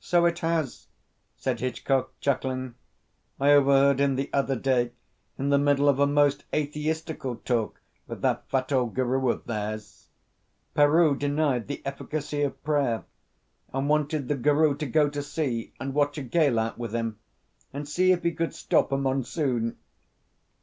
"So it has," said Hitchcock, chuckling. "I overheard him the other day in the middle of a most atheistical talk with that fat old guru of theirs. Peroo denied the efficacy of prayer; and wanted the guru to go to sea and watch a gale out with him, and see if he could stop a monsoon."